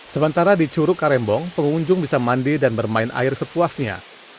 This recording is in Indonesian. sementara di curug karembong pengunjung bisa mandi dan bermain air sepuasnya